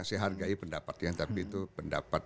saya hargai pendapatnya tapi itu pendapat